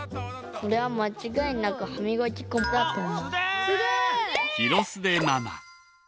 これはまちがいなく歯みがき粉だとおもう。